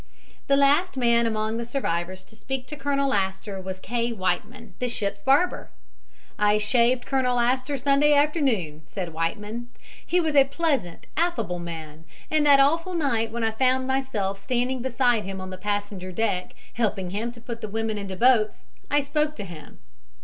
The last man among the survivors to speak to Colonel Astor was K. Whiteman, the ship's barber. "I shaved Colonel Astor Sunday afternoon," said Whiteman. "He was a pleasant, affable man, and that awful night when I found myself standing beside him on the passenger deck, helping to put the women into the boats, I spoke to him.